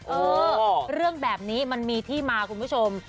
เออเรื่องแบบนี้มันมีที่มาคุณผู้ชม